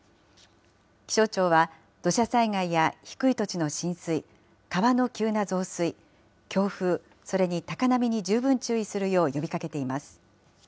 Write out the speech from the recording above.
気象庁は、土砂災害や低い土地の浸水、川の急な増水、強風、それに高波に十分注意するよう呼びかけています。